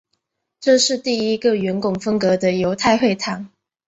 这是第一个圆拱风格的犹太会堂。